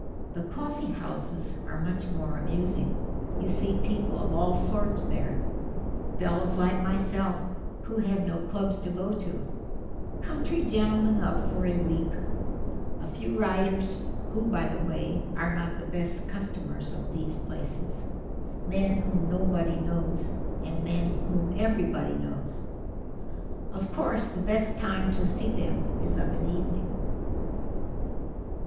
The coffee houses are much more amusing; you see people of all sorts there fellows like myself, who have no clubs to go to; country gentlemen up for a week; a few writers, who, by the way, are not the best customers of these places; men whom nobody knows, and men whom everybody knows. Of course, the best time to see them is of an evening."